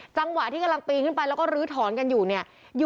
จังหวะที่กำลังปีนขึ้นไปแล้วก็ลื้อถอนกันอยู่เนี่ย